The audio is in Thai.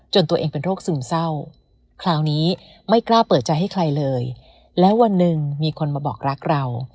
ตัวเองเป็นโรคซึมเศร้าคราวนี้ไม่กล้าเปิดใจให้ใครเลยแล้ววันหนึ่งมีคนมาบอกรักเรา